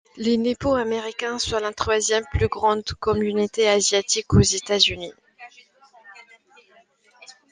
Les Nippo-Américains sont la troisième plus grande communauté asiatique aux États-Unis.